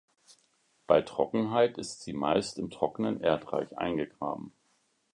Bei Trockenheit ist sie meist im trockenen Erdreich eingegraben.